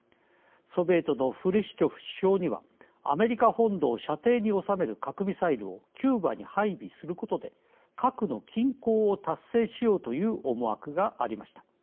ソビエトのフルシチョフ首相にはアメリカ本土を射程に収める核ミサイルをキューバに配備することで核の均衡を達成しようという思惑がありました。